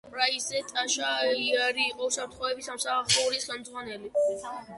ენტერპრაიზზე ტაშა იარი იყო უსაფრთხოების სამსახურის ხელმძღვანელი.